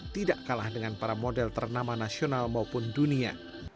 tidak kalah dengan para model ternama nasional maupun dunia